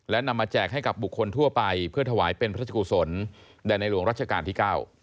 และนำมาแจกให้กับบุคคลทั่วไปเพื่อถวายเป็นพระราชกุศลแด่ในหลวงรัชกาลที่๙